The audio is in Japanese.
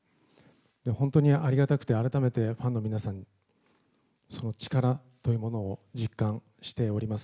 本当にありがたくて、改めてファンの皆さん、その力というものを実感しております。